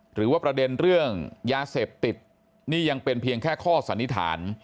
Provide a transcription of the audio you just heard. หรือว่าประเด็นเรื่องยาเสพติดนี่ยังเป็นเพียงแค่ข้อสันนิษฐาน